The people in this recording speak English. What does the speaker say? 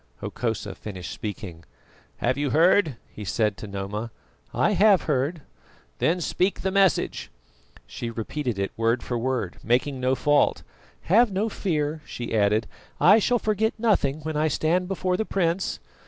Hokosa finished speaking. "Have you heard?" he said to Noma. "I have heard." "Then speak the message." She repeated it word for word, making no fault. "Have no fear," she added, "I shall forget nothing when I stand before the prince."